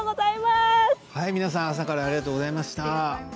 皆さん、朝からありがとうございます。